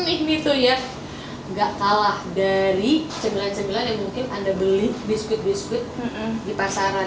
ini tuh ya gak kalah dari cemilan cemilan yang mungkin anda beli biskuit biskuit di pasaran